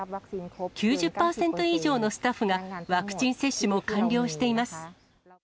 ９０％以上のスタッフが、ワクチン接種も完了しています。